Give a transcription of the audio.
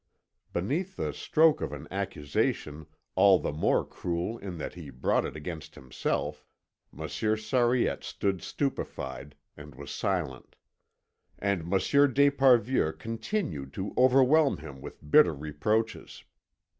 Beneath the stroke of an accusation all the more cruel in that he brought it against himself, Monsieur Sariette stood stupefied, and was silent. And Monsieur d'Esparvieu continued to overwhelm him with bitter reproaches.